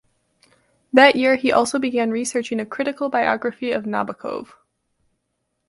That year he also began researching a critical biography of Nabokov.